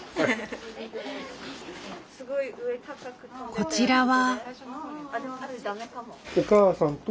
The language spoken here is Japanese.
こちらは。